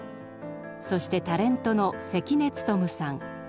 そしてタレントの関根勤さん。